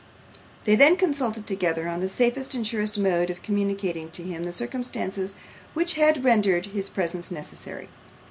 They then consulted together on the safest and surest mode of communicating to him the circumstances which had rendered his presence necessary.